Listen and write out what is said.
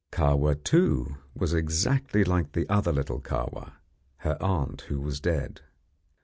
Kahwa, too, was exactly like the other little Kahwa, her aunt who was dead.